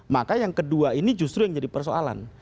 maka yang kedua ini justru yang jadi persoalan